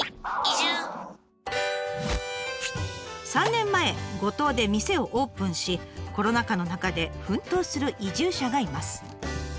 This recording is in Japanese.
３年前五島で店をオープンしコロナ禍の中で奮闘する移住者がいます。